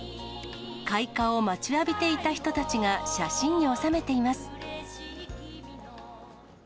開花を待ちわびていた人たちが、写真に収めています。